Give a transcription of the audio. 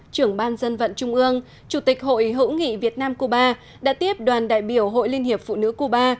trưởng ban dân vận trung ương chủ tịch hội hữu nghị việt nam cuba đã tiếp đoàn đại biểu hội liên hiệp phụ nữ cuba